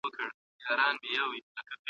آیا پر ځان د باور لاري پېژنئ.